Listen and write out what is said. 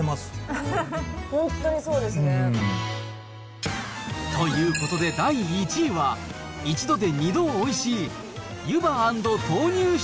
本当にそうですね。ということで、第１位は、１度で２度おいしい！